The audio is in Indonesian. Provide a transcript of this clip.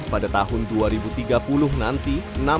pada tahun dua ribu tiga puluh nanti